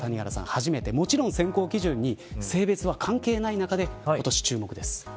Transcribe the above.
初めてもちろん選考基準に性別は関係ない中で、今年注目です。